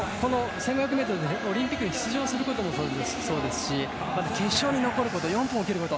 １５００ｍでオリンピックに出場することもそうですし、決勝に残ること４分を切ること。